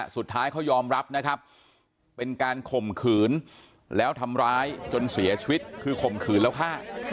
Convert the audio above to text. สุดท้ายเขายอมรับนะครับเป็นการข่มขืนแล้วทำร้ายจนเสียชีวิตคือข่มขืนแล้วฆ่า